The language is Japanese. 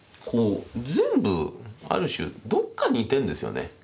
全部ある種どっか似てんですよね。